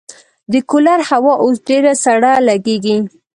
د کولر هوا اوس ډېره سړه لګېږي.